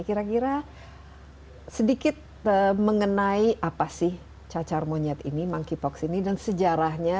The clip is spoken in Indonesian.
kira kira sedikit mengenai apa sih cacar monyet ini monkeypox ini dan sejarahnya